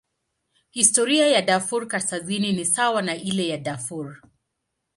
Historia ya Darfur Kaskazini ni sawa na ile ya Darfur.